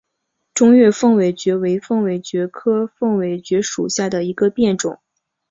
中越凤尾蕨为凤尾蕨科凤尾蕨属下的一个变种。